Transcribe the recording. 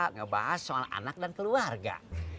ngebahas soal anak dan keluarga